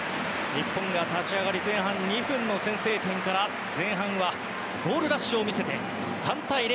日本が立ち上がり前半２分の先制点から前半はゴールラッシュを見せて３対０。